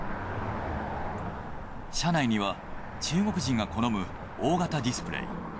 車内には中国人が好む大型ディスプレー。